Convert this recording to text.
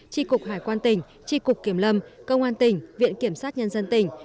trị cục hải quan tỉnh trị cục kiểm lâm công an tỉnh viện kiểm sát nhân dân tỉnh